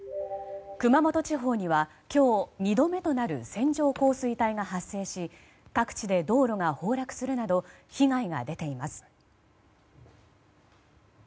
熊本地方には今日２度目となる線状降水帯が発生し各地で道路が崩落するなど被害が出ています。